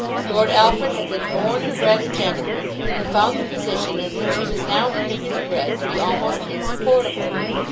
Lord Alfred had been born and bred a gentleman, and found the position in which he was now earning his bread to be almost insupportable.